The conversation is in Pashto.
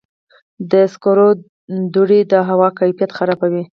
د سکرو دوړې د هوا کیفیت خرابوي.